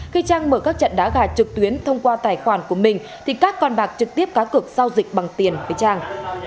khi trang mở các trận đá gà trực tuyến thông qua tài khoản của mình thì các con bạc trực tiếp cá cực giao dịch bằng tiền với trang